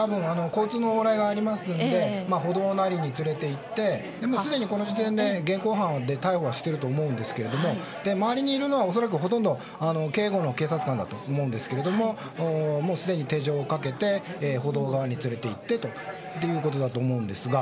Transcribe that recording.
交通の往来がありますので歩道なりに連れて行って、すでにこの時点で現行犯で逮捕はしていると思うんですけど周りにいるのはほとんど警護の警察官だと思うんですがもうすでに手錠をかけて歩道側に連れて行ってということだと思うんですが。